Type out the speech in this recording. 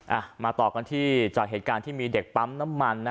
อ่ะมาต่อกันที่จากเหตุการณ์ที่มีเด็กปั๊มน้ำมันนะ